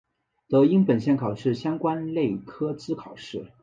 得应本项考试相关类科之考试。